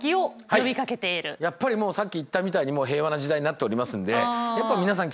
やっぱりさっき言ったみたいにもう平和な時代になっておりますんでやっぱ皆さん